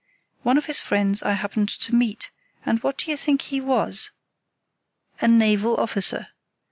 One of his friends I happened to meet; what do you think he was? A naval officer.